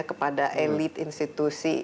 kepada elit institusi